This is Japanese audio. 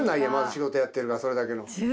仕事やってるからそれだけの。